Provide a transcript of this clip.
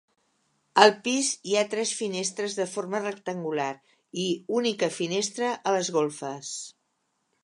Al pis hi ha tres finestres de forma rectangular i única finestra a les golfes.